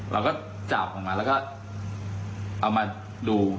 เราก็จับออกมาแล้วก็เอามาดู